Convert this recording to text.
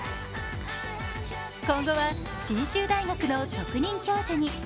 今後は信州大学の特任教授に。